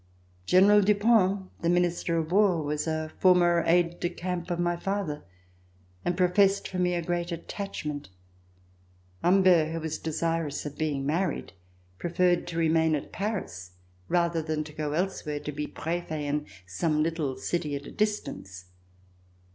General Dupont, the Minister of War, was a former C392] THE RETURN OF THE KING aide de camp of my father and professed for me a great attachment. Humbert, wlio was desirous of being married, preferred to remain at Paris rather than to go elsewhere to be Prefet in some little city at a distance.